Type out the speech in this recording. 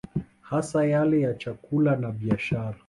Hasa yale ya chakula na biashara